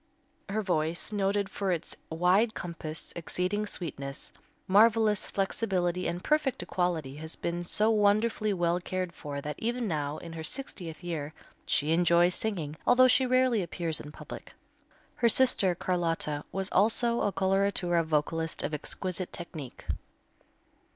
Her voice, noted for its wide compass, exceeding sweetness, marvelous flexibility and perfect equality, has been so wonderfully well cared for that even now, in her sixtieth year, she enjoys singing, although she rarely appears in public. Her sister, Carlotta, was also a coloratura vocalist of exquisite technique.